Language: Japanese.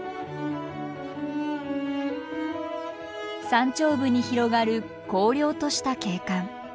山頂部に広がる荒涼とした景観。